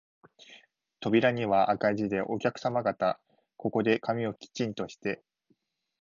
扉には赤い字で、お客さま方、ここで髪をきちんとして、